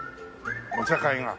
お茶会が。